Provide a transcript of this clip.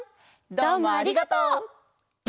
どうもありがとう！